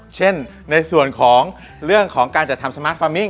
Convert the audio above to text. เช่นในส่วนของเรื่องของการจัดทำสมาร์ทฟาร์มมิ้